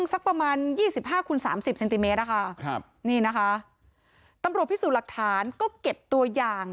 สักประมาณ๒๕คูณ๓๐เซนติเมตรนะคะนี่นะคะตำรวจพิสูจน์หลักฐานก็เก็บตัวอย่าง